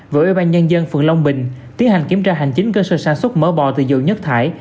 với ủy ban nhân dân phường long bình tiến hành kiểm tra hành chính cơ sở sản xuất mỡ bò bò từ dầu nhất thải